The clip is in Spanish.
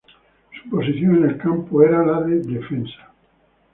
Su posición en el campo era la de defensa.